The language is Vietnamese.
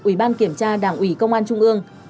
ủy ban kiểm tra đảng ủy công an trung ương